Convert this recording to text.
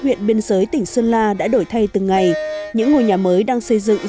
việc đổi biên giới tỉnh sơn la mới đang xây dựng dần hiện hữu trong cuộc sống thường nhật